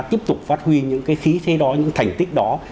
tiếp tục phát huy những cái khí thế đó những thành tích đó